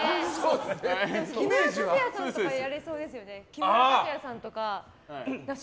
木村拓哉さんとかやられそうですよね。